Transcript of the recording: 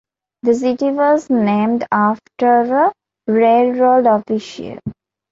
The city was named after a railroad official.